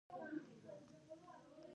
مدیران د ستراتیژیکو پرېکړو مسوولیت لري.